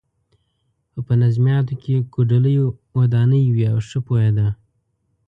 خو په نظمیاتو کې یې کوډلۍ ودانې وې او ښه پوهېده.